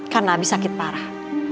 karena abi sakit parah